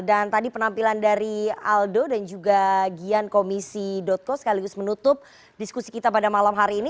dan tadi penampilan dari aldo dan juga gian komisi dotco sekaligus menutup diskusi kita pada malam hari ini